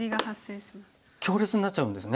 強烈になっちゃうんですね。